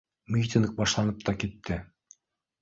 Митинг башланып та китте